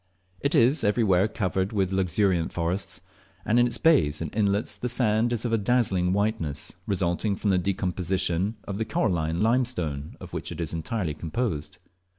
It is everywhere covered with luxuriant forests, and in its bays and inlets the sand is of dazzling whiteness, resulting from the decomposition of the coralline limestone of which it is entirely composed.